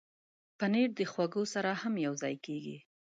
پنېر د خواږو سره هم یوځای کېږي.